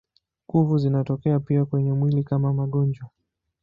Kuvu zinatokea pia kwenye mwili kama magonjwa.